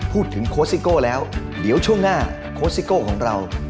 พูดถึงโคสิโก้แล้วเดี๋ยวช่วงหน้าโคสิโก้ของเรา